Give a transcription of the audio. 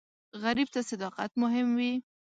غریب ته صداقت مهم وي